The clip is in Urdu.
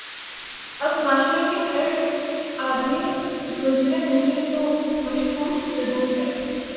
اب معاشرے کا ہر آدمی مجرم نہیں تو مشکوک ضرور ہے۔